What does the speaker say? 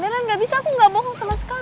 beneran gak bisa aku gak bohong sama sekali